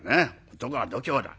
男は度胸だ。